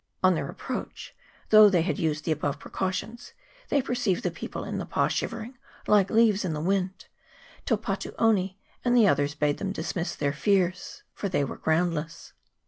On their approach, though they had used the above precautions, they perceived the people in CHAP. XVII.] E' ONGI. 253 the pa shivering like leaves in the wind, till Patuone and the others bade them dismiss their fears, for they were groundless.